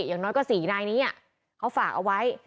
อย่างน้อยก็๔นายนี้เขาฝากเอาไว้